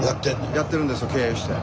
やってるんですよ経営して。